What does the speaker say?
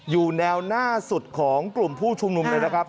อยู่แนวหน้าสุดของกลุ่มผู้ชุมนุมเลยนะครับ